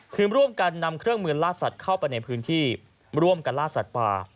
คือร่วมกันนำเครื่องมือล่าสัตว์เข้าไปในพื้นที่ร่วมกันล่าสัตว์ป่า